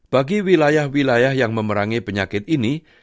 bagi wilayah wilayah yang memerangi penyakit ini